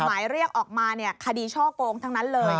หมายเรียกออกมาคดีช่อโกงทั้งนั้นเลย